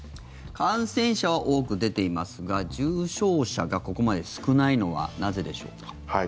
感染者は多く出ていますが重症者がここまで少ないのはなぜでしょうか。